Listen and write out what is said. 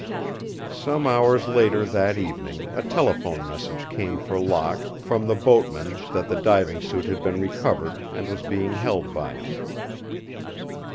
Some hours later that evening a telephone message came for Locke from the boatman that the diving suit had been recovered and was being held by him.